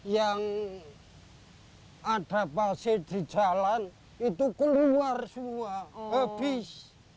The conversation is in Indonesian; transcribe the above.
yang ada pasir di jalan itu keluar semua habis